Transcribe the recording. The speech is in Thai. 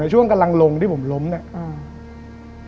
ช่วงกำลังลงที่ผมล้มเนี่ย